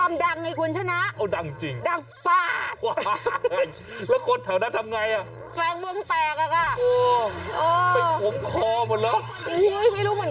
ไม่รู้เหมือนกันที่ฉันอยากดูเหมือนกัน